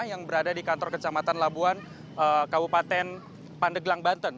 yang berada di kantor kecamatan labuan kabupaten pandeglang banten